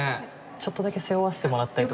ちょっとだけ背負わせてもらったり。